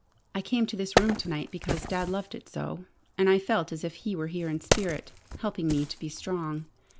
I came to this room to night because Dad loved it so, and I felt as if he were here in spirit, helping me to be strong.